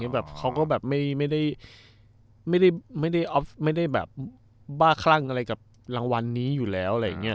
แบบเขาก็แบบไม่ไม่ได้ไม่ได้ไม่ได้ไม่ได้แบบบ้าคลั่งอะไรกับรางวัลนี้อยู่แล้วอะไรอย่างเงี้ย